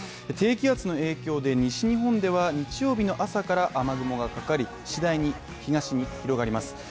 低気圧の影響で西日本では日曜日の朝から雨雲がかかり次第に東に広がります。